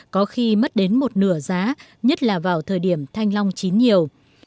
có khi mất đến một nửa giá nhất là vào thời điểm thanh long chín nhiều